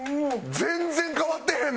全然変わってへんな！